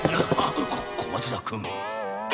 こ小松田君。